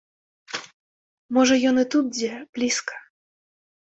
Можа ён і тут дзе, блізка!